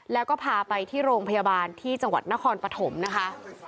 แล้วก็พาไปที่โรงพยาบาลที่จังหวัดนครปฐมนะคะ